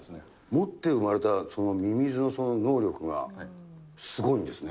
持って生まれたミミズの能力がすごいんですね。